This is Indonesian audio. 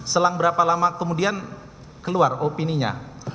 selang berapa lama kemudian keluar opininya